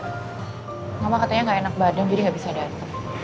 mama katanya gak enak badan jadi gak bisa datang